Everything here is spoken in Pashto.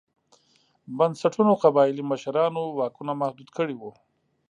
بنسټونو قبایلي مشرانو واکونه محدود کړي وو.